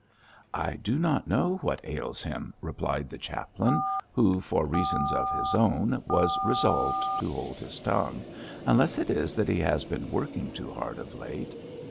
'I do not know what ails him,' replied the chaplain, who, for reasons of his own, was resolved to hold his tongue, 'unless it is that he has been working too hard of late.'